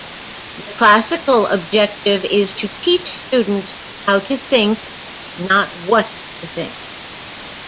The Classical objective is to teach students how to think, not what to think.